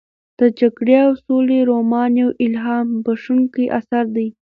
د جګړې او سولې رومان یو الهام بښونکی اثر دی.